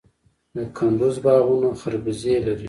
د کندز باغونه خربوزې لري.